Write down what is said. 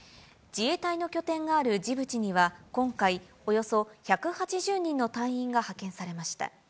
自衛隊の拠点があるジブチには今回、およそ１８０人の隊員が派遣されました。